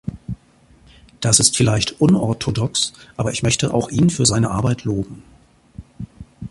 Das ist vielleicht unorthodox, aber ich möchte auch ihn für seine Arbeit loben.